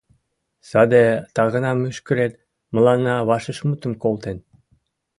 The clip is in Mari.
Саде «тагынамӱшкырет» мыланна вашешмутым колтен.